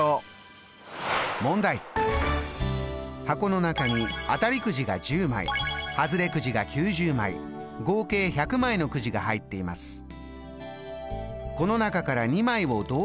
箱の中に当たりくじが１０枚ハズレくじが９０枚合計１００枚のくじが入っています。